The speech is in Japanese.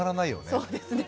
そうですね。